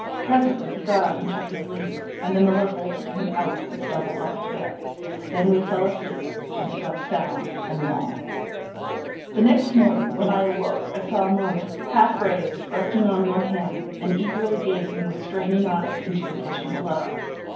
Presently he got up and took his leave; and the miller bolted him out, and stumbled off to bed. Then we fell asleep, and slept sound and long. The next morning, when I awoke, I saw Amante, half raised, resting on one hand, and eagerly gazing, with straining eyes, into the kitchen below.